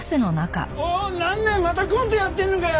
おいなんだよまたコントやってんのかよ？